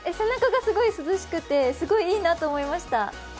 背中がすごい涼しくて、すごいいいなと思いました。